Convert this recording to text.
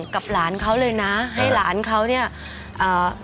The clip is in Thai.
พี่หลานเขาเนี่ยเรียนภาษาศึกษ์